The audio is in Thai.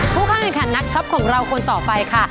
ผู้เข้าแข่งขันนักช็อปของเราคนต่อไปค่ะ